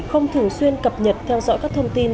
không thường xuyên cập nhật theo dõi các thông tin